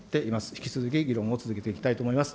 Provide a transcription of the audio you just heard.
引き続き議論を続けていきたいと思います。